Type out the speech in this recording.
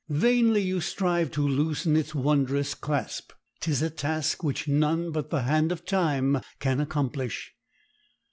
Vainly you strive to loosen its wondrous clasp; 'tis a task which none but the hand of Time can accomplish.